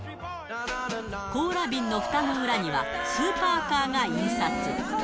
コーラ瓶のふたの裏には、スーパーカーが印刷。